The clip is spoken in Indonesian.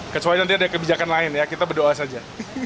kecuali nanti ada kebijakan lain ya kita berdoa saja